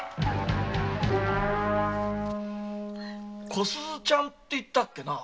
小鈴ちゃんていったっけな